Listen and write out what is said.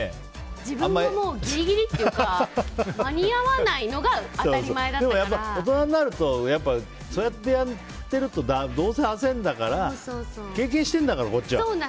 自分もギリギリというか間に合わないのが大人になるとそうやってやってるとどうせ焦るんだから経験してるんだから、こっちは。